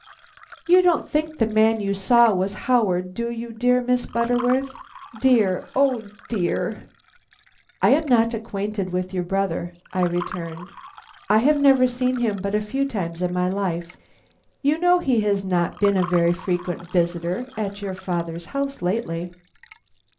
You don't think the man you saw was Howard, do you, dear Miss Butterworth?" Dear? O dear! "I am not acquainted with your brother," I returned. "I have never seen him but a few times in my life. You know he has not been a very frequent visitor at your father's house lately."